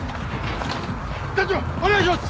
団長お願いします！